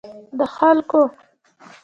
د خلګو